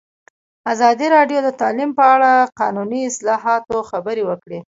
ازادي راډیو د تعلیم په اړه د قانوني اصلاحاتو خبر ورکړی.